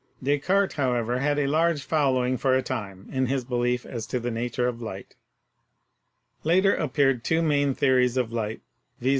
Des cartes, however, had a large following for a time in his belief as to the nature of light. Later appeared two main theories of light, viz.